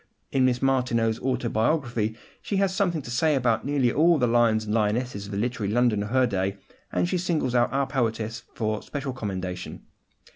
In Miss Martineau's autobiography she has something to say about nearly all the lions and lionesses of the literary London of her day, and she singles out our poetess for special commendation.